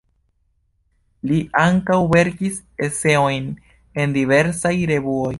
Li ankaŭ verkis eseojn en diversaj revuoj.